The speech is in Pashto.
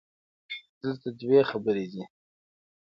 دلته دوې خبري دي